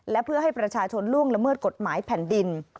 และเพื่อให้ประชาชนล่วงละเมิดกฎหมายแผ่นดิน